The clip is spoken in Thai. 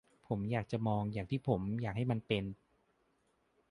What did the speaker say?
ผมอยากจะมองอย่างที่ผมอยากให้มันเป็น ?